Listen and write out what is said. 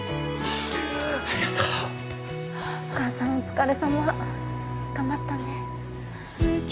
ありがとうお母さんお疲れさま頑張ったね